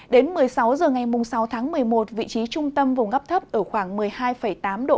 đến một mươi sáu h ngày sáu tháng một mươi một vị trí trung tâm vùng áp thấp ở khoảng một mươi hai tám độ